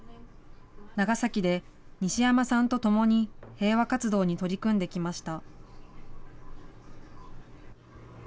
長崎で西山さんと共に平和活動に取り組んできました。